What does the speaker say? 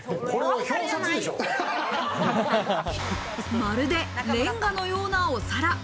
まるでレンガのようなお皿。